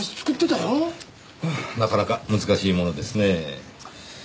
なかなか難しいものですねぇ。